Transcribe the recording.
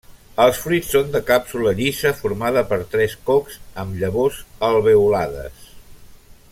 Els fruits són de càpsula llisa formada per tres cocs amb llavors alveolades.